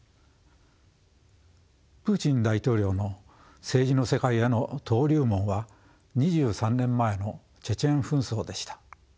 プーチン大統領の政治の世界への登竜門は２３年前のチェチェン紛争でした。